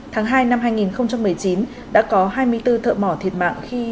tháng hai năm hai nghìn một mươi chín đã có hai mươi bốn thợ mỏ thiệt mạng khi